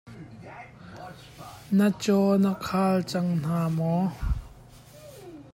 Na caw na khal cang hna maw?